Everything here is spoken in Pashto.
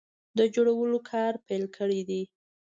د جوړولو کار پیل کړی دی